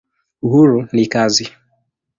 Uhuru ni kazi.